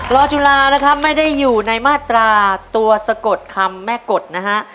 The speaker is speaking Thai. อจุลานะครับไม่ได้อยู่ในมาตราตัวสะกดคำแม่กฎนะฮะ